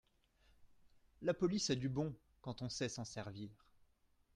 La police a du bon quand on sait s'en servir.